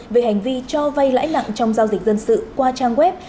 về hành vi cho vay lãi nặng trong giao dịch dân sự qua trang web